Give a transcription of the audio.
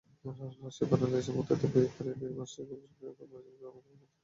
রাশিয়ায় ভার্নালাইজেশন পদ্ধতি প্রয়োগ করে দ্বিবার্ষিক গমকে বর্ষজীবী গমে পরিণত করা হয়েছে।